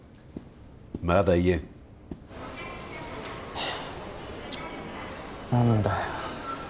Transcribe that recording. まだ言えんはあチッ何だよ